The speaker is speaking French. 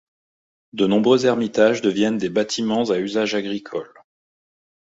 De nombreux ermitages deviennent des bâtiments à usage agricole.